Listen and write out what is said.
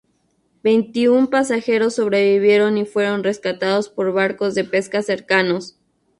Veintiún pasajeros sobrevivieron y fueron rescatados por barcos de pesca cercanos.